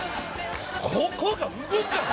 ここが動かん！